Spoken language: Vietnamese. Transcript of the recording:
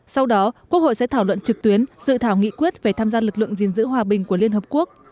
sau đó quốc hội sẽ thảo luận trực tuyến dự thảo nghị quyết về tham gia lực lượng gìn giữ hòa bình của liên hợp quốc